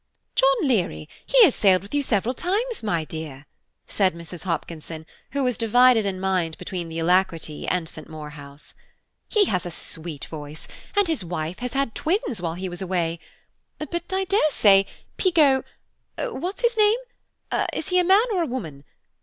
"John Leary–he has sailed with you several times, my dear," said Mrs. Hopkinson, who was divided in mind between the Alacrity and St. Maur House, "he has a sweet voice; and his wife has had twins while he was away. But I dare say Pico–what's his name–is he a man or a woman?